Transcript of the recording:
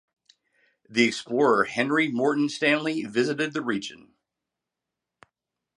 The explorer Henry Morton Stanley visited the region.